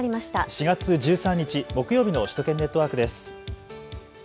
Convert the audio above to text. ４月１３日木曜日の首都圏ネットワークです。